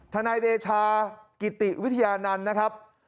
นายเดชากิติวิทยานันต์นะครับ